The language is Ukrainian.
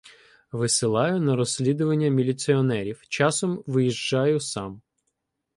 Висилаю на розслідування міліціонерів, часом виїжджаю сам.